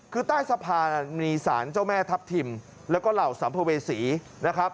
คือใต้สะพานมีสารเจ้าแม่ทัพทิมแล้วก็เหล่าสัมภเวษีนะครับ